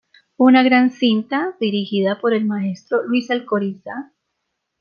Una gran cinta dirigida por el maestro Luis Alcoriza.